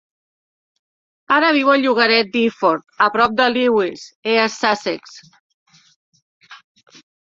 Ara viu al llogaret d'Iford, a prop de Lewes (East Sussex).